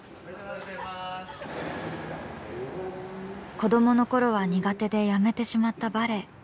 子どものころは苦手でやめてしまったバレエ。